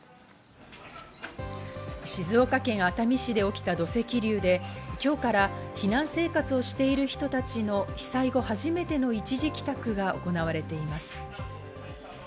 静岡県熱海市で起きた土石流で、今日から避難生活をしている人たちの被災後、初めての一時帰宅が行われています。